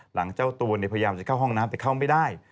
เจ้าตัวพยายามจะเข้าห้องน้ำแต่เข้าไม่ได้